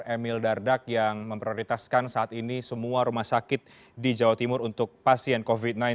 emil dardak yang memprioritaskan saat ini semua rumah sakit di jawa timur untuk pasien covid sembilan belas